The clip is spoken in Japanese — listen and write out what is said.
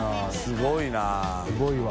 すごいわ。